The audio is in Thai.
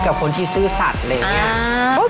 กับคนที่ซื่อสัตว์อะไรอย่างนี้